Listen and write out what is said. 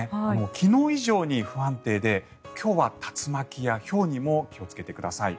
昨日以上に不安定で今日は竜巻やひょうにも気をつけてください。